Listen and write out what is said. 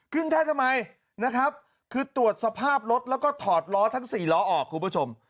แค่ทำไมนะครับคือตรวจสภาพรถแล้วก็ถอดล้อทั้งสี่ล้อออกคุณผู้ชม